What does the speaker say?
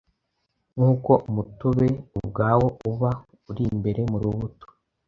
Nk’uko umutobe ubwawo uba uri imbere mu rubuto,